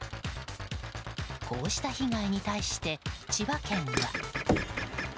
こうした被害に対して千葉県は。